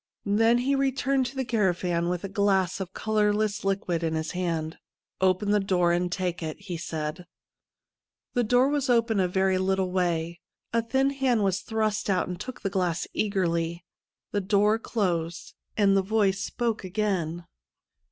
Then he returned to the caravan with a 107 THE END OF A SHOW glass of colourless liquid in his hand. ' Open the door and take it/ he said. The door was opened a very little way. A thin hand was thrust out and took the glass eagerly. The door closed, and the voice spoke again.